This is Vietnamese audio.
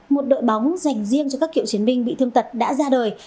một đội bóng dành riêng cho các cựu chiến binh bị thương tật đã ra đời